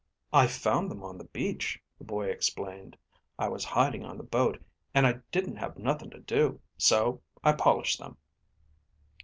"I found them on the beach," the boy explained. "I was hiding on the boat and I didn't have nothing to do. So I polished them."